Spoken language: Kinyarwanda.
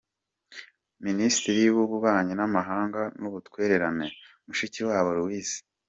Minisitiri w’Ububanyi n’Amahanga n’Ubutwererane : Mushikiwabo Louise